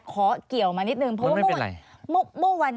ขอเกี่ยวมานิดนึงเพราะว่าเมื่อวัน